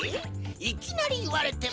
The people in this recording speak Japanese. いきなりいわれても。